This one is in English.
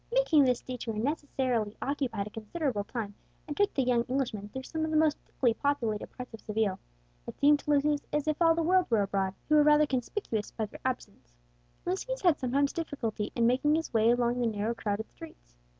Making this detour necessarily occupied a considerable time, and took the young Englishman through some of the most thickly populated parts of Seville. It seemed to Lucius as if all the world were abroad, except, perhaps, the priests and monks, who were rather conspicuous by their absence. Lucius had sometimes difficulty in making his way along the narrow crowded streets.